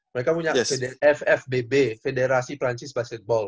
mereka punya ffbb federasi perancis basketball